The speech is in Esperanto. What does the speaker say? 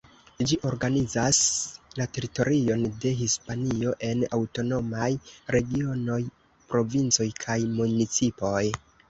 Ĝi organizas la teritorion de Hispanio en aŭtonomaj regionoj, provincoj kaj municipoj.